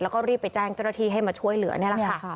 แล้วก็รีบไปแจ้งเจ้าหน้าที่ให้มาช่วยเหลือนี่แหละค่ะ